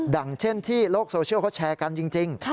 อย่างเช่นที่โลกโซเชียลเขาแชร์กันจริง